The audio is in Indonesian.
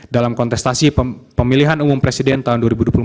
dalam kontestasi pemilihan umum presiden tahun dua ribu empat belas